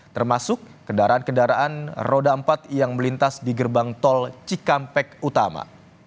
termasuk kendaraan kendaraan roda empat yang melintas di gerbang tol cikampek utama